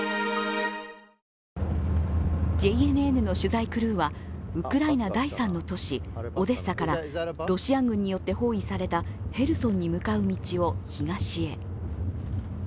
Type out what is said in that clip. ＪＮＮの取材クルーはウクライナ第３の都市オデッサからオデッサからロシア軍によって包囲されたヘルソンへ向かう道を東へ。